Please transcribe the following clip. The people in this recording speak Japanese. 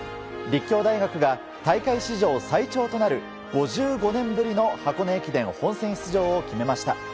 立教大学が大会史上最長となる５５年ぶりの箱根駅伝本選出場を決めました。